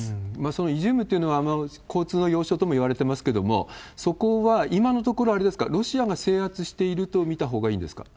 そのイジュームっていうのは、交通の要衝ともいわれてますけども、そこは、今のところあれですか、ロシアが制圧していると見たほうがいいんですか？